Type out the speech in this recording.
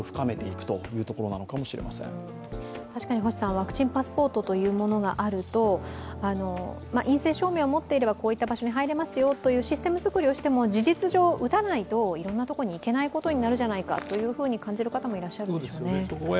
ワクチンパスポートというものがあると、陰性証明を持っていればこういった場所には入れますよというシステム作りをしても事実上、打たないといろんなところに行けないじゃないかと感じる方もいらっしゃるんですよね。